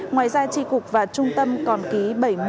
ngoài ra tri cục và trung tâm còn ký bảy mươi đơn vị